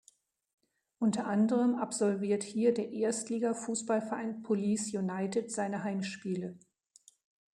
Unter anderem absolviert hier der Erstliga-Fußballverein Police United seine Heimspiele.